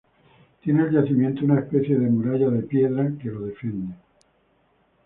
Tiene el yacimiento una especie de muralla de piedra que lo defiende.